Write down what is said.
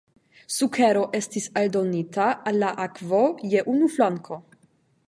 Sukero estis aldonita al la akvo je unu flanko.